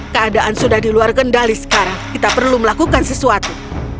keadaan sudah di luar kendali sekarang kita perlu melakukan sesuatu